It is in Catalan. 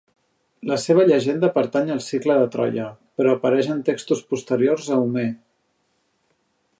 La seva llegenda pertany al cicle de Troia, però apareix en textos posteriors a Homer.